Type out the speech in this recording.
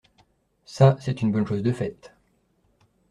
Ça, c’est une bonne chose de faite.